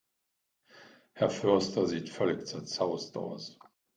Herr Förster sieht völlig zerzaust aus.